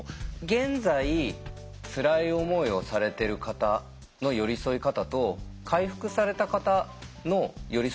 現在つらい思いをされてる方の寄り添い方と回復された方の寄り添い方っていうのは違うんでしょうか？